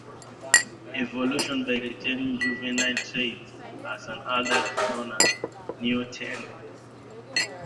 Evolution by retaining juvenile traits as an adult is known as neoteny.